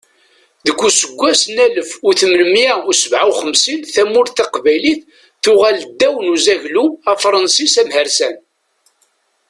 Deg useggas n alef u tmenmiyya u sebɛa u xemsin, tamurt taqbaylit tuɣal ddaw n uzaglu afṛensis amhersan.